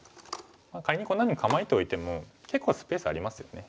仮にこんなふうに構えておいても結構スペースありますよね。